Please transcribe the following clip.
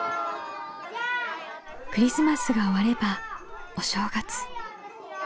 クリスマスが終わればお正月。